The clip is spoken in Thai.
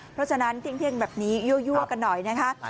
เพราะฉะนั้นเที่ยงแบบนี้ยั่วกันหน่อยนะคะ